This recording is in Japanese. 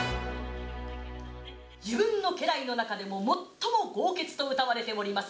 自分の家来の中でも、最もごうけつとうたわれております